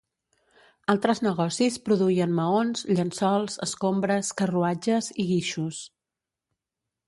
Altres negocis produïen maons, llençols, escombres, carruatges i guixos.